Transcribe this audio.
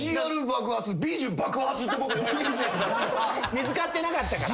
見つかってなかったから。